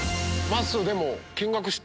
まっすーでも。